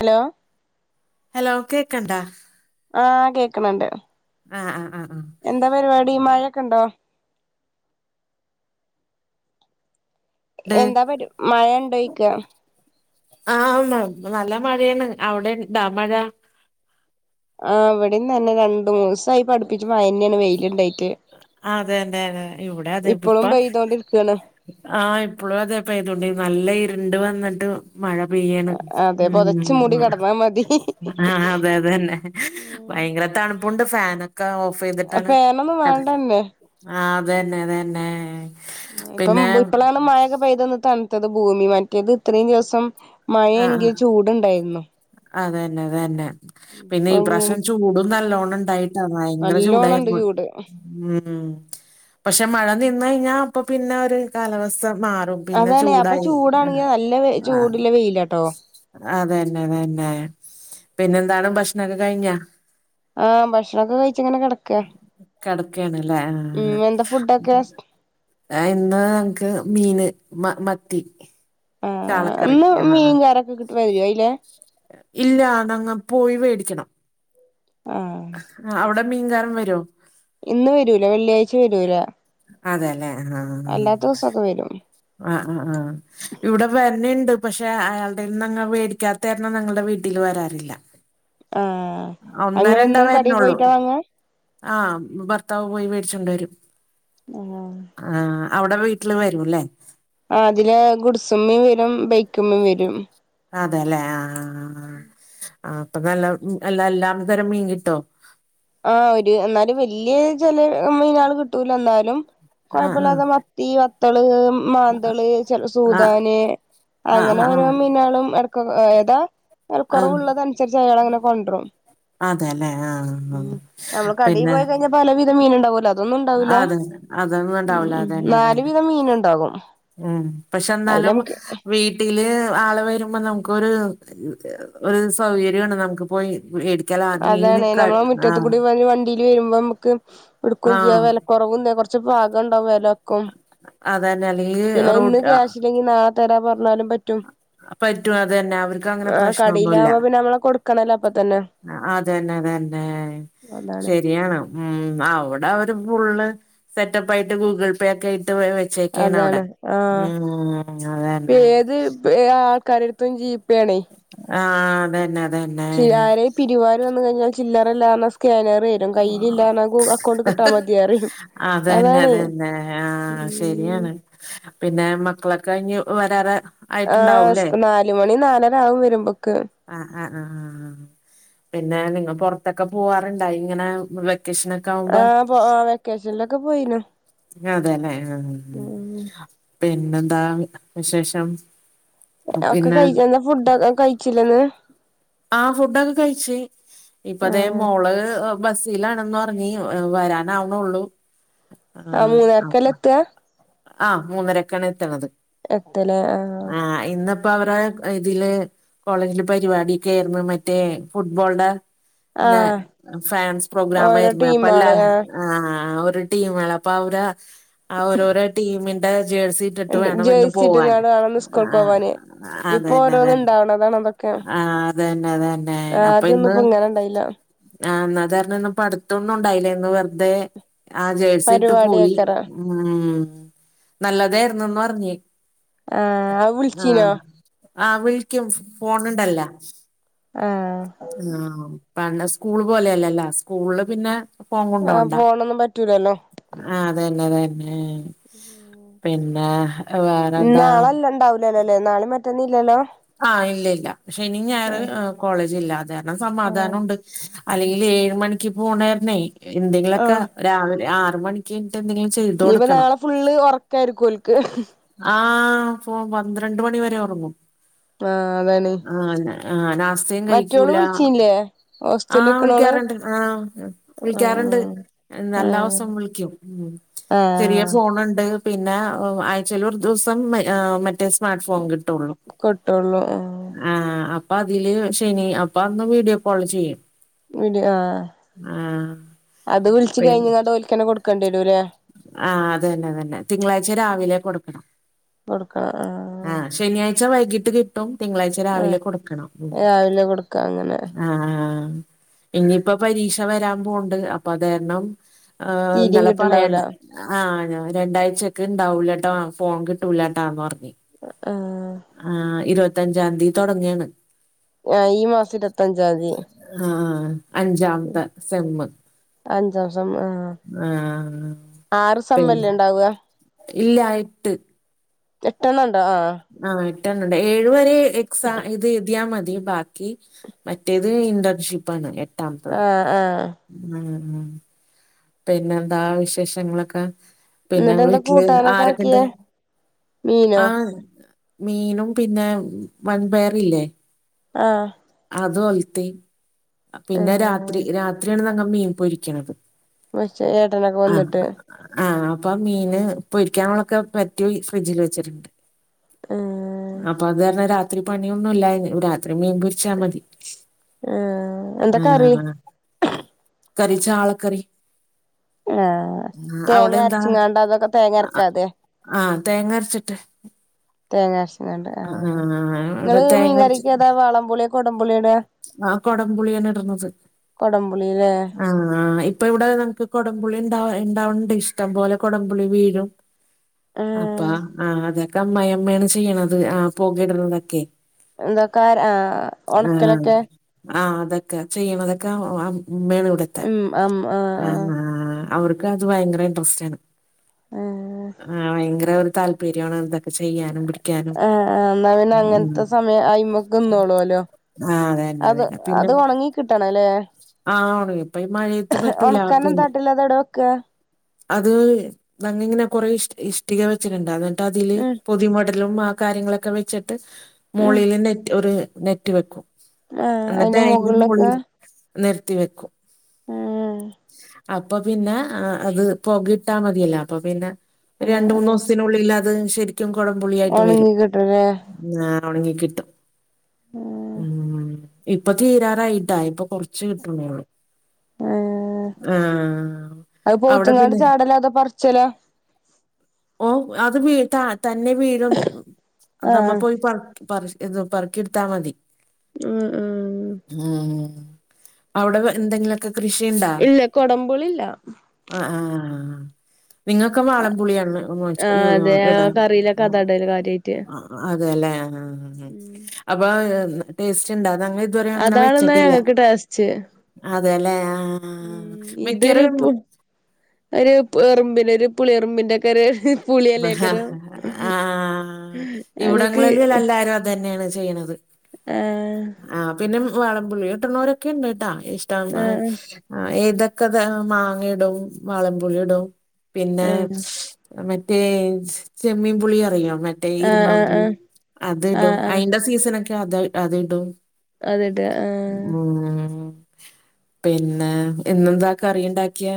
Hello hello കേക്കണ്ടാ ആഹ് കേക്കണണ്ട് ആഹ് ആഹ് ആഹ് ആഹ് കണ്ടോ? ട് എന്താ പരു മയ ഉണ്ടോയ്ക്ക ആണോ നല്ല മഴയേണ് അവിടെണ്ടാ മഴ? ആഹ് ഇവിടെന്ന് തന്നെ രണ്ടു മൂന്നിസായി അടിപ്പിച്ച് മയാന്നേണ് വെയിലുണ്ടായി അതെന്നെ അതെ ഇവിടെ ഇപ്പളും അതെപ്പിപ്പോ പെയ്തോണ്ടിരിക്കാണ് ആഹ് ഇപ്പളും അതെ പ്പെയ്തോണ്ട് നല്ല ഇരുണ്ട് വന്നിട്ട് - മഴ പെയ്യണ് അതെ പൊതച്ച് മൂടി ഉം കിടന്നാ മതി ആഹ് അതെ അതെന്നെ ഭയങ്കര തണുപ്പുണ്ട് ഫാനൊക്കെ ഓഫെയ്തിട്ടാണ് ഒന്നും വേണ്ടന്നെ ആഹ് അതന്നെ അതന്നെ ഇപ്പം പിന്നെ ഇപ്പളാണ് മയക്ക പെയ്ത് ഒന്ന് തണുത്തത് ഭൂമി മറ്റത് ഇത്രയും ദിവസം മഴ എങ്കി ചൂടുണ്ടായിരുന്നു അതെന്നെ അതെന്നെ പിന്നെ ഈ ഇപ്പൊ പ്രാവശ്യം ചൂടും നല്ലോണംണ്ടായി ട്ടാ ഭയങ്കര നല്ലോണണ്ട് ചൂടായിരുന്നു ചൂട് ഉം പക്ഷെ മഴ നിന്ന് കഴിഞ്ഞാ അപ്പൊ പിന്നെ ഒരു കാലാവസ്ഥ മാറും പിന്നെ അതാണ് അപ്പൊ ചൂടായി ചൂടാണെങ്കി ആഹ് നല്ല ആഹ് ചൂടുള്ള വെയിലാട്ടോ അതെന്നെ അതെന്നെ പിന്നെന്താണ് ഭക്ഷണോക്കെ കഴിഞ്ഞാ? ആഹ് ഭക്ഷണൊക്കെ കഴിച്ചിങ്ങനെ കെടക്കാ കെടക്കാണ്ല്ലേ ആ ആ ഫുഡൊക്കെ [unintelligible] ഇന്ന് അൻക്ക് മീന് മ മത്തി. ചാളക്കറി ആന്ന് ആഹ് ആഹ് മീൻ കാരൊക്കെ കിട്ട് വരൊ അയ്ല ഇല്ല ന്നങ്ങ പോയി വേടിക്കണം ആഹ് അ അവടെ മീൻകാരൻ വരോ? ഇന്ന് വരൂലാ വെള്ളിയാഴ്ച വരൂലാ അതെല്ലേ ആഹ് വരും ആഹ് ആഹ് ആഹ് ഇവടെ വര്ണ് ണ്ട് പക്ഷെ അയാൾടെന്നങ്ങ വേടിക്കാത്തരണം ന്നങ്ങൾടെ വീട്ടില് വരാറില്ല. ആഹ് അങ്ങളെ എന്നും കടേ പോയിട്ടാ വാങ്ങ ആ ഉം ഭർത്താവ് പോയി വേടിച്ചൊണ്ടരും ആഹ് ആ അവ്ടെ വീട്ട്ല് വരൂല്ലേ ആതിലേ ഗുഡ്സുമ്മിം വരും ബൈക്കുമ്മിം വരും അതെല്ലെ ആ ആ ആ ആ അപ്പൊ നല്ല ഉം എല്ല എല്ലാം തരം മീങ്ങിട്ടോ ആ ഒരുന്നാലും വലിയ ചെല മീനേള് കിട്ടൂലാന്നാലും ആഹ് കൊഴപ്പല്ലാത്ത മത് ത്തി വത്തള് മാന്തള് ചൽ ആഹ് സൂദാന് അങ്ങനെ ആഹ് ആഹ് ഓരോ ആഹ് മീനളും എടക്കൊക് ഏതാ ആഹ് വെലക്കൊറവുള്ളതൻസരിച്ച് അയാൾ അങ്ങനെ കൊണ്ട്രും. അതെല്ലെ ആഹ് ആഹ് നമ്മള് കടയിൽ പിന്നെ പോയി കഴിഞ്ഞാ പലവിധം മീന്ണ്ടാവോല്ലോ അതൊന്നുണ്ടാവൂല അതെ അതൊന്നും ഉം ഉണ്ടാവൂല ഉം അതന്നെ നാല് അതന്നെ വിധം മീന്ണ്ടാകും. ഉം പക്ഷെ ന്നാലും വീ ല് ആള് വരുമ്പോ നമുക്കൊരു [unintelligible] ഒരു സൗകര്യാണ് നമുക്ക് പോയി വ് എട് അതാണെയ് നമ്മളെ മുറ്റത്ത് കൂടെ [unintelligible] വണ്ടി ല് വരുമ്പോ അമ്മക്ക് ഉടുക്കും ചിയ്യ ആഹ് വെലക്കൊറവുണ്ട് കുർച്ച് പാകം ണ്ടാവും വെല ക്കും അതന്നെ അല്ലെങ്കി പിന്നെ റോഡ് ഇന്ന് ക്യാഷില്ലെങ്കി നാളെ തരാ പർഞ്ഞാലും പറ്റ് റ്റും പറ്റും അതന്നെ അവർക്ക് അങ്ങനെ ആ പ്രശ്നൊന്നുല്ല കടയിലാകുമ്പോ പിന്നെ ഞമ്മളളെ കൊടുക്കണല്ലോ അപ്പൊ തന്നെ അ അതെന്നെ അതെന്നെ അതാണ് ശരിയാണ് ഉം അവ് അവരെ ഫുള്ളേ സെറ്റപ്പ് ആയിട്ട് ഗൂഗിൾ പേ ഒക്കെ ആയിട്ട് വെ വെ ചെക്കേന്നോട് അതാണ് ആഹ് [unintelligible] അതെന്നെ [unintelligible] ആൾക്കാരട്ത്തും ജീപ്പേണേ. ആ അതെന്നെ ച്ചി ആരെ പിരിവാര് വന്ന് കഴിഞ്ഞാ ചില്ലറയില്ലാതെ വന്ന സ്കാനറെ ഉം ആ കയ്യിലില്ലാണ ഗു അക്കൗണ്ട് കിട്ടാ മതി അറയും അതന്നെ അതാണെയേ അതന്നെ ആഹ് ഉം ശരിയാണ് പിന്നെ മക്കളൊക്കെ ഞ്ഞി വെരാറെ ആ സ്‌കു നാലുമണി നാലരാവും വരുമ്പക്ക് ആഹ് ആഹ് ആഹ് പിന്നെ നിങ്ങ പൊർത്തെക്കെ പോവാറുണ്ട ഇങ്ങനെ വെക്കേഷനെ ആ പൊ ആ വെക്കേഷൻലൊക്കെ പോയിനു അതെന്നെ ഹ് ഉം പിന്നെന്താ വിശേഷം ഒക്കെ പിന്നെ കഴിച്ച് എന്ന ഫുഡൊക്കെ കഴിച്ചിലെ ന്ന് ആ ഫുഡൊക്കെ കഴിച്ച് ഇപ്പതേ ആഹ് മോള് അ ബസ്സിലാണെന്നർഞ്ഞി എ വരാനാവെനോള്ളൂ ആഹ് വർക്കലത്തുവാ അ മൂന്നരക്കാണ് എത്ത്ണത് എത്തലേ ആഹ് ആ ഇന്ന്. പ്പവരെ ക് ഇതില് കോളേജില് പരിവാടിക്കെരുന്നു മറ്റേ ഫുട്ബോൾടെ. ന്ന് ആഹ് ഫാൻസ് പ്രോഗ്രാം ഓരോ അരുന്ന് അപ്പല്ലേ ടീമാള് ആഹ് ആ ആ ഒരു ടീമാണ് അപ്പൊ അവരെ ആ ഓരോരോ ടീമിന്റെ ജേഴ്സി ട്ട്ട്ട് വേണം ഇന്ന് പോവാന് ജേഴ്സിട്ട്ങ്ങാണ്ട് വേണം സ്കൂൾക്ക് ആ പോവാന് ഇപ്പൊ അതെന്നെ അതെൻ [unintelligible] ആ അതെന്നെ അതെന്നെ അപ്പൊ ആദ്യൊന്നും ഇന്ന് ഇപ്പ ഇങ്ങനെ ഇണ്ടായില്ല ആ ന്ന അതരണം ന്ന് പഠ്ത്തൊന്നു ണ്ടായിലെയ്ന്നു. ന്ന് വെർതെ ആ ജേഴ്സിട്ട് പോയി. പരിപാടിയക്കറ ആ നല്ലതായിരുന്നുന്ന് പറഞ്ഞേ ആഹ് അത് ആ വിളിച്ചീനോ ആഹ് വിളിക്കും ഫോണിണ്ടല്ല ആഹ് ആഹ് പണ്ട് സ്കൂള് പോലെയല്ലല്ല സ്കൂള് പിന്നെ ഫോൺ ആ കൊണ്ടോണ്ട ഫോണൊന്നും പറ്റൂല ആഹ് അതന്നേ അതന്നേ പിന്നാ വേറെന്താ ല്ല ല്ലല്ലേ നാളെ മറ്റന്നി ഇല്ലല്ലോ ആ ഇല്ല ഇല്ല ശെനി ഞായറ് ആഹ് ആ കോളേജ് ഇല്ല അത് കാരണം ആഹ് സമാധാനം ഉണ്ട് അല്ലെങ്കില് ഏഴ് മണിക്ക് പോണകാരണേ എന്തെങ്കിലുവൊക്ക ആഹ് രാവിലെ ആറ് മണിക്ക് ട്ട എന്തെങ്കിലും ഇനിയിപ്പോ ചെയ്തൊടുക്കണം നാളെ ഫുള്ള് ഒറക്കാരിക്കും ഓൽക്ക് ആ ഫോ പന്ത്രണ്ട് മണി വരെ ഒറങ്ങും ആഹ് അതാണ് ആന്ന ആഹ് നാസ് സെയിം മറ്റോള് കഴിച്ചൂല വിളിച്ചീല്ലേ ആ ഹോസ്റ്റലിൽ നിക്കണോള് വിളിക്കാറുണ്ട് ആ വിളിക്കാറുണ്ട് ആഹ് ആഹ് എന്നെല്ലോസം വിളിക്കും ഉം ചെറിയ ആഹ് ഫോണെണ്ട് പിന്ന ആഴ്ച്ചേല് ഒരു ദിവസം മ ആഹ് മറ്റേ സ്മാർട്ട് ഫോൺ കിട്ടൊള്ളു കിട്ടുള്ളു ആ ആ അപ്പൊ അതില് ശനി അപ്പൊ അന്ന് വീഡിയോ കോള് ചെയ്യും വീഡിയോ ആഹ് ആഹ് അത് വിളിച്ച് പിന്നെ കഴിഞ്ഞിങ്ങാണ്ട് ഓൽക്കന്നെ കൊടുക്കേണ്ടി വരൂല്ലേ ആഹ് അതന്നെ അതന്നെ തിങ്കളാഴ്ച്ച രാവിലെ കൊടുക്കണം. കൊടുക്കണം ആ ശനിയാഴ്ച വൈകിട്ട് കിട്ടും തിങ്കളാഴ്ച ആഹ് രാവിലെ കൊടുക്കണം ഉം ആഹ് രാവിലെ കൊടുക്ക അങ്ങനെ ആഹ് ഇഞ്ഞീപ്പ പരീക്ഷ വരാൻ പോണെണ്ട് അപ്പ അത്കാരണം ആഹ് തീരിം ഇന്നലെ കിട്ട്ണ്ടാവൂല പറയാണ്ട് ആഹ് ഞാൻ രണ്ടാഴ്ച്ചക്ക്‌ ഇണ്ടാവൂല്ലട്ട ഫോൺ കിട്ടൂല്ലാട്ടാന്ന് പറഞ്ഞ് ആഹ് ആ ഇരുപത്തഞ്ചാന്തി തുടങ്ങാണ് ആഹ് ഈ മാസം ഇരുപത്തഞ്ചാന്തി. ആഹ് അഞ്ചാമത്ത സെമ്മ്. അഞ്ചാം സെമ്മ് ആഹ്. ആഹ് ആറ് സെമ്മല്ലേ ഇണ്ടാവുക ഇല്ലാ ഇട്ട് എട്ടെണ്ണം ഉണ്ടോ ആ ആഹ് എട്ടണ്ണം ഇണ്ട്. ഏഴ്‌ വരേ എക്സാം ഇത് എഴ്തിയാ മതി ബാ മറ്റേത് ഇന്റേൺഷിപ്പാണ് ല്ലേ ആ ആ ഇന്നങ്ങനാം പിന്നെന്താ വിശേഷങ്ങളൊക്ക പിന്നെ എന്നിട്ട് എന്താ വീട്ടില് കൂട്ടാനൊക്കെ ആരൊക്കെ ഇണ്ട് ആക്കിയേ മീനോ ആ മീനും പിന്നെ വൺപയറില്ലേ ആഹ് അത് ഒൽത്തി ആ പിന്നെ രാത്രി രാത്രിയാണ് നങ്ങ മീൻ പൊരിക്കണത് പക്ഷേ ഏട്ടനൊക്ക ആ വന്നിട്ട് ആ അപ്പം മീന് പൊരിക്കാനുള്ളൊക്ക പരട്ടി ഫ്രിഡ്ജിൽ വെച്ചിട്ട്ണ്ട് ഉം അപ്പ അത് കാരണം രാത്രി പണിയൊന്നു ഇല്ലാ രാത്രി മീൻ പൊരിച്ചാ മതി. ആ എന്താ ആ കറി അങ്ങന കറി ചാളക്കറി ആഹ് ആ, അവിടെ തേങ്ങ അരച്ചിങ്ങാണ്ട അതൊക്കെ തേങ്ങ അരക്കാതേ ആഹ് തേങ്ങ അരച്ചിട്ട് തേങ്ങരച്ച്ങ്ങാണ്ട് ആ ഇവിടെ ഇങ്ങള് തേങ്ങ മീൻകറിക്ക്‌ ഏതാ വാളം പുളിയോ കൊടംപുളിയോ ഇട ഞാ കൊടംപുളിയാണ് ഇടുന്നത് കൊടംപുളില്ലേ ആഹ് ഇപ്പ ഇവിടെ ഏതാണ് ഇപ്പ കൊടംപുളി ഇണ്ട ഇണ്ടാവണ്ട് ഇഷ്ടം പോലെ കൊടംപുളി വീഴും അപ്പ ആ ആഹാ അതെക്കെ അമ്മയമ്മയാണ് ചെയ്യണത് ആ പോകയിടുന്നതൊക്കെ എന്തക്കാര ആ ഒണക്കലൊക്കെ ആ അതൊക്കെ ചെയ്യണതൊക്കെ ആ മേള് വടെത്താൻ ഉം അം ആ ആ അവർ ക്കത് ഭയങ്കര ഇൻട്രസറ്റാണ് ഉം ആ ഭയങ്കര ഒരു താല് പെര്യാണ് ഇതൊക്കെ ചെയ്യാനും പിടി ആഹാ ആഹാ എന്നാ പിന്നെ അങ്ങനത്തെ സമയം അയ്മ്ക്ക് നിന്നോളുവലോ ആ അതന്നെ അത് അത് ഒണങ്ങി കിട്ടണല്ലേ ആഹാ ഒണങ്ങി ഇപ്പെ ഈ മഴയത്ത് പറ്റൂല ഉണക്കാനും പിന്നെ തട്ടില് അത് എവിടെ വെക്ക അത് നങ്ങിങ്ങനെ കൊറെ ഇഷ് ഇഷ് ട്ടിക വെച്ചിട്ടുണ്ടാന്നിട്ട് അതില് ഉം പൊതി മഡലും ആ കാര്യങ്ങളൊക്കെ വെച്ച് ട്ട് ഉം മോളില് നെറ്റ് ഒരു നെറ്റ് വെക്കും ആഹാ അയിന്റെ മുകളിലൊക്കെ നെരത്തി വെക്കും ഏഹ അപ്പൊ പിന്നെ അത് പൊകയിട്ടാ മതിയല്ലോ അപ്പൊ പിന്നെ ആ ആ രണ്ട്മൂന്ന് ദിവസത്തിനുള്ളിലത് ശരിക്കും കൊടംപുളിയായിട്ട് വരും ഉണങ്ങി കിട്ടൂലേ ന്നഹാ ഒണങ്ങി കിട്ടും ഉം മ് ഇപ്പൊ തീരാറായിട്ടാ ഇപ്പൊ കൊറ ച്ച് കിട്ടുന്നെ ഒള്ളൂ ആഹാ അത് അവിടെ പോത്തുങ്ങാട് പിന്നെ ചാടലോ അതോ പറിച്ചലോ ഓ അത് വീ ത തന്നെ വീഴും മ് ആ നമ്മ പോയി പറ പറ സ് ഇതു പറക്കിയെടുത്താൽ മതി ആഹ് ആഹ് ഉം അവിടെ വെ എന്തെങ്കിലു ക്ക് കൃഷിയിണ്ടാ ഇല്ല കൊടമ്പുളില്ല ആഹ് ആഹ് നിങ്ങക്ക് വാളംപുളിയാണ് ഒന്ന് ആഹ് വാങ്ങിച്ച യ്യോ ഹാ അതെ ആ ഇടാ കറിയിലൊക്കെ അതാടല് കാര്യായിട്ട് [inaudible] അ അതേലെ ആഹാ ഉം അപ്പൊ ടേസ്റ്റിണ്ടാ അതങ്ങെ ഇതുവരെ അങ്ങനെ അതാണെന്നാ വെച്ചിട്ടില്ല ഞങ്ങക്ക് ടേസ്റ്റ് അതേലെ ആഹാ ആഹാ ഇതൊരു മിക്കറേം പു ഒരു പെറുമ്പിന് ഒരു പുളി എറുമ്പിന്റെക്കെ ഒര് ഹ ആഹാ ഞങ്ങക്ക് ഇവിടങ്ങളിലെല്ലല്ലാരും ദന്നെയാണ് ചെയ്യണത് ഏഹ് ആഹ് പിന്നെ വാളംപുളി ഇട്ടണോരൊക്കെ ഒണ്ട്ട്ടോ ഇഷ്ടമാ ആഹ് ആഹാ ഏതെക്കെ ത മാങ്ങയിടും വളമ്പുളിയിടും പിന്നെ ആഹ് ആഹ് മെ റ്റേ ച് ചെമ്മീൻപുളി അറിയൊ മറ്റേ ആഹ് ഇരുമ്പാംപുളി ആഹ് അത്ടും ആഹ് ആഹ് അയിന്റെ സീസണക്കെ അത അതിടും അതിട്വാ ആ മ് പിന്നെ ഇന്നെന്താക്കറിയുണ്ടാക്കിയെ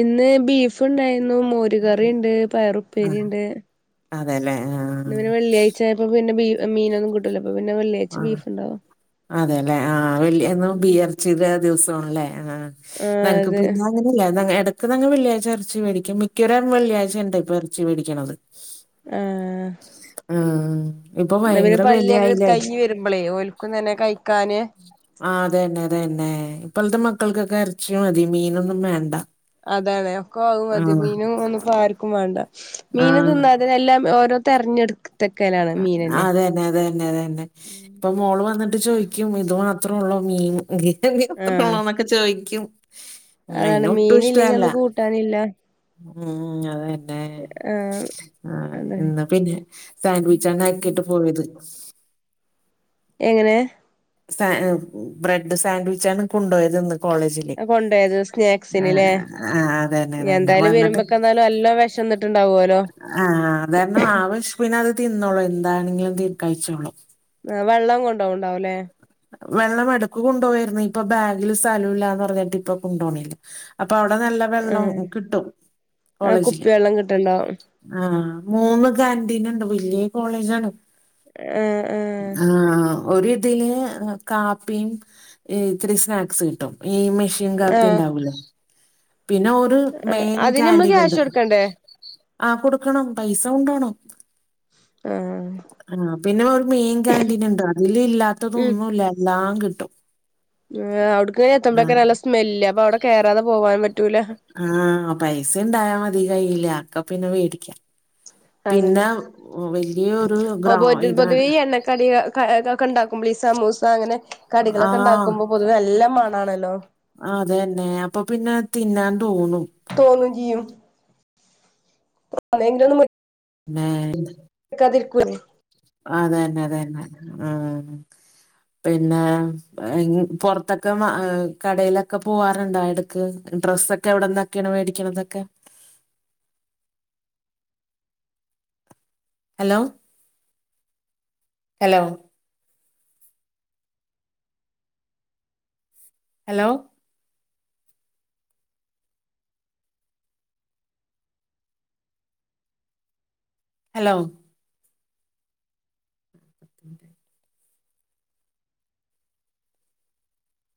ഇന്ന് ബീഫ്ണ്ടാരുന്നു മോരുകറിണ്ട് ആ, പയറുപ്പേരിണ്ട് അതെല്ലേ ആഹ ഇന്ന് പിന്നെ വെള്ളിയാഴ്ചായപ്പ പിന്നെ ബീ മീനൊന്നും കിട്ടുല അപ്പ പിന്നെ വെള്ളി അഹ് അതെല്ലേ ആഹാ വെള്ളി എന്നും ബിയർ ചിതെ ദിവസണല്ലേ ആഹാ ആഹ് വേൾകപ്പ് അതെ ഞാ ഇന്നലെ ഇല്ലാരെന്ന് ന്നങ്ങ് ഇടക്ക് ന്നങ്ങ് വെള്ളിയാഴ്ച എറച്ചി മേടിക്കും മിക്കവര് ആരും വെള്ളിയാഴ്ചാണ് ണ്ട് ടൈപ്പ് എറച്ചി മേടിക്കണത്. ആഹാ ആഹ് ഇപ്പൊ വയങ്കര വെലയായില്ലേ മ്പളെ ഓൽക്കും തന്നെ കഴിക്കാന് ആഹാ അതന്നെ അതന്നെ ഇപ്പൾത്തെ മക്കൾക്കെക്കെ എറച്ചി മതി മീനൊന്നും വേണ്ട അതെയതെ ഒക്കെ ആവുമതി ആഹ് മീനും ഒന്നിപ്പോ ആര്ക്കും വേണ്ട മീന് ആഹ് തിന്നാതിനെല്ലാം ഓരോ തെരഞ്ഞെട് ആഹ് അതെ അതെന്നെ അതെന്നെ ഇപ്പൊ മോള് വന്നിട്ട് ചോയിക്കും ഇത് മാത്രള്ളൂ മീൻ [unintelligible] ആഹ് ഉള്ളോന്നൊക്കെ ചോയിക്കും ഉം അതാണ് അയിന് ഒട്ടും മീനില്ലെങ്കി ഇഷ്ടല്ല അന്ന് കൂട്ടാനില്ല ഉം അതന്നെ ആഹ് ആഹ് അതാണ് ഇന്ന് പിന്നെ സാൻവി ചേണാക്കിട്ട് പോയത് എങ്ങനെ സാൻ ബ്രെഡ് സാൻവിച്ചാണ് കൊണ്ടോയത് ഇന്ന് കോളേജില്ലേ കൊണ്ടോയത് സ്നാക്സിന്ല്ലേ ആഹ് ആഹ് അതന്നെ അതന്നെ വന്നിട്ട് ക്കെന്നാലും എല്ലാം വിഷന്നിട്ട് ഇണ്ടാവോലോ പിന്നെ അത് തിന്നോളും എന്താണെങ്കിലും തി കഴിച്ചോളും വെള്ളം കൊണ്ടോവും ഉണ്ടാവൂല്ലേ വെള്ളം എടക്ക് കൊണ്ടുപോവേരുന്നു ഇപ്പൊ ബാഗില് സ്ഥലം ഇല്ലാന്ന് പറഞ്ഞിട്ട് ഇപ്പൊ കൊണ്ടോണില്ല അപ്പൊ അവിടെ നല്ല വെള്ളം ആഹ് കിട്ടും ആഹ് കോളേജില്. കുപ്പിവെള്ളം കിട്ട്ണ്ടാവും ആ മൂന്ന് കാന്റീൻ ഉണ്ട് വല്യയ കോളേജാണ് ഏഹ് ഏഹ് ആഹ് ഒര് ഇതില് കാപ്പിയും ഇത്തിരി സ്നാക്സ് കിട്ടും ഈ മിഷ്യൻ ആഹ് കാപ്പിയിണ്ടാവൂലോ പിന്നെ ഒരു മെയിൻ അതിന് നമ്മള് ക്യാൻഡീലിണ്ട് ക്യാഷ് കൊടുക്കണ്ടേ ആ കൊടുക്കണം പൈസ കൊണ്ടോണം ആഹ് ആ പിന്നെ ഒരു മെയിൻ കാന്റീൻ ഉണ്ട് അതില് ഇല്ലാത്തത് ഒന്നും ഇല്ലാ എല്ലാം കിട്ടും ഏഹ് അവിടക്ക് ആ എത്തുമ്പേക്കെല്ലാം നല്ല സ്മെല്ലാ അപ്പൊ അവിടെ കേറാതെ പോകാൻ പറ്റൂല ആ പൈസ ഇണ്ടായാ മതി കയ്യില് അക്ക പിന്നെ മേടിക്കാം. അതാണ് പിന്നെ വലിയ ഒരു ഗ്രാ ഇതാണ്. കടി ആഹ് ഇതൊക്കെ ഇണ്ടാക്കുമ്പോളെ ഈ സമൂസ അങ്ങനെ ആ കടികളൊക്കെ ഉണ്ടാക്കുമ്പോൾ പൊതുവേ നല്ല മണ ആണല്ലോ ആഹ് അതെന്നെ അപ്പൊ പിന്നെ തിന്നാൻ തോന്നും തോന്നും ചെയ്യും [unintelligible] മേഹ് ക്കതിർക്കുലം അതന്നെ അതന്നെ ആഹ് പിന്നേ ഇങ് പൊർത്തൊക്കെ മാ കടയിലൊക്ക പോവാറുണ്ടാ എട് ക് ഡ്രസ്സൊക്കെ എവിടെന്നക്കേണ് മേടിക്കണതൊക്കെ? Hello hello. ഹലോ. ഹലോ. [inaudible]